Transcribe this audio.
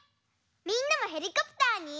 みんなもヘリコプターに。